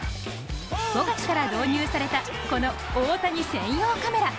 ５月から導入された、この大谷専用カメラ。